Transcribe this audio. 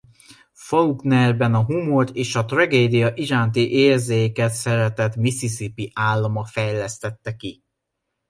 Faulknerben a humor és a tragédia iránti érzéket szeretett Mississippi állama fejlesztette ki.